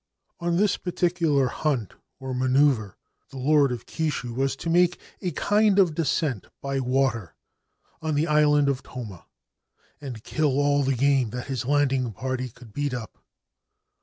On this particular hunt or manoeuvre, the Lord oi Kishu was to make a kind of descent by water on the island of Toma, and kill all the game that his landing party could beat up.